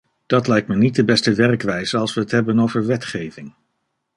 Dat lijkt me niet de beste werkwijze als we het hebben over wetgeving.